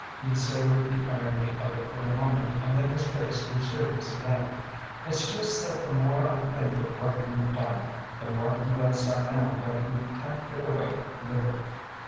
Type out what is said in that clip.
He savored the irony of it for a moment and then his face grew serious again. "It's just that the more I think of what you've done, the more convinced I am that you can't get away with it.